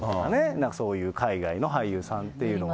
なんかそういう海外の俳優さんっていうのは。